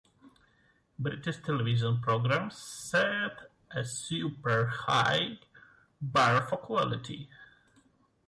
British television programs set a super high bar for quality.